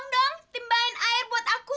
anak anak tolong dong timbain air buat aku